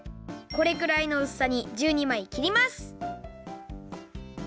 これくらいのうすさに１２まいきります。